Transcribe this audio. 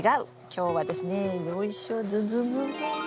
今日はですねよいしょズズズズズ。